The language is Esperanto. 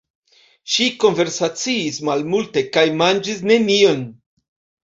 Ŝi konversaciis malmulte kaj manĝis nenion.